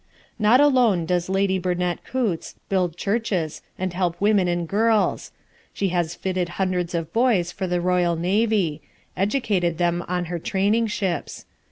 Not alone does Lady Burdett Coutts build churches, and help women and girls. She has fitted hundreds of boys for the Royal Navy; educated them on her training ships.